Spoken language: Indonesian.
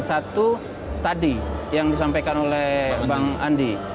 satu tadi yang disampaikan oleh bang andi